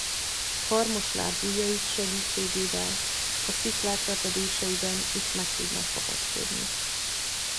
Karmos lábujjaik segítségével a sziklák repedéseiben is meg tudnak kapaszkodni.